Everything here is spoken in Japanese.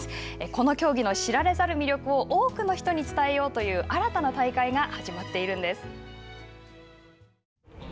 この競技の知られざる魅力を多くの人に伝えようという新たな大会が始まっているんです。